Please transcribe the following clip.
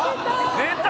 「出た！」